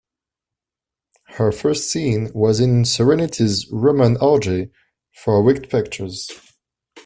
Her first scene was in "Serenity's Roman Orgy" for Wicked Pictures.